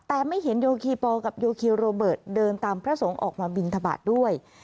แต่ไม่เห็นโยคีปอลกับโยคีโรเบิร์ตเดินตามพระสงฆ์ออกมาบินทบาทด้วย